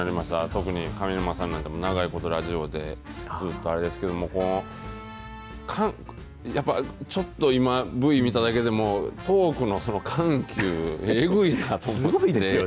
特に上沼さんなんかも、長いことラジオで、ずっとあれですけど、やっぱりちょっと今、Ｖ見ただけでもトークの緩急、えぐいなと思って。